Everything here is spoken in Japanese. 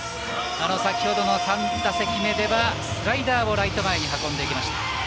先ほどの３打席目スライダーをライト前に運びました。